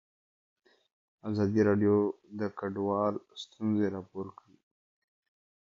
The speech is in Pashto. ازادي راډیو د کډوال ستونزې راپور کړي.